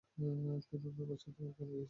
তিনি অন্যান্য ভাষাতেও গান গেয়েছেন।